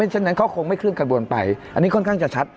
ฉะนั้นเขาคงไม่เคลื่อกระบวนไปอันนี้ค่อนข้างจะชัด